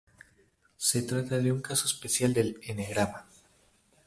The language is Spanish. Se trata de un caso especial del N-grama.